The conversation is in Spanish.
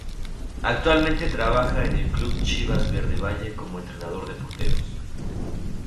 Actualmente trabaja en el Club Chivas Verde Valle como entrenador de Porteros.